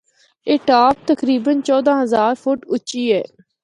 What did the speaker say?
A top تقریبا چودہ ہزار فٹ اُچی ہے۔